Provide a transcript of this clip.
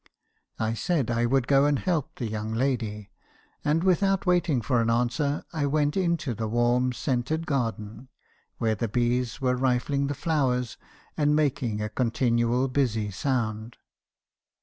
I said I would go and help the young lady; and without waiting for an answer, I went into the warm, scented garden, where the bees were rifling the flowers, and making a continual busy sound.